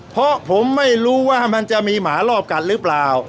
เพราะผมไม่รู้ว่ามันจะมีหมารอบกัดหรือเปล่า